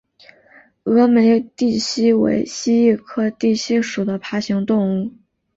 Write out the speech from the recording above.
峨眉地蜥为蜥蜴科地蜥属的爬行动物。